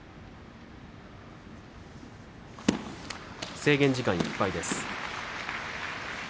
制限時間いっぱいです。